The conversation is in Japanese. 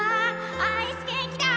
アイスケーキだ！！